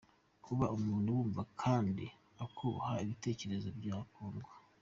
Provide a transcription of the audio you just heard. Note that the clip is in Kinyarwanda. Kuba umuntu wumva kandi akubaha ibitekerezo bya Kundwa.